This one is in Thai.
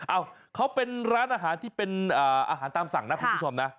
เอ้าเขาเป็นร้านอาหารที่เป็นอาหารตามสั่งนะคุณผู้ชมนะ